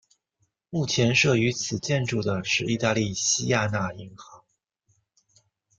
目前设于此建筑的是意大利西雅那银行。